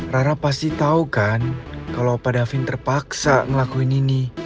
rara pasti tau kan kalo opa davin terpaksa ngelakuin ini